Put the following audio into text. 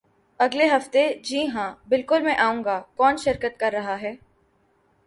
اگلے ہفتے؟ جی ہاں، بالکل میں آئوں گا. کون شرکت کر رہا ہے؟